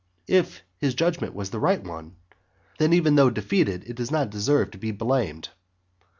If his judgment was the right one, then even though defeated it does not deserve to be blamed.